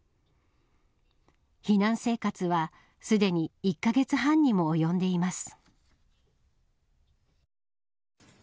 避難生活はすでに１カ月半にも及んでいます。